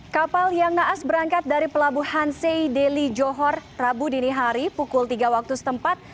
kapal yang naas berangkat dari pelabuhan sei deli johor rabu dini hari pukul tiga waktu setempat